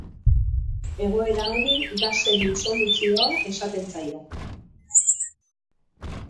Egoera honi gasen disoluzioa esaten zaio.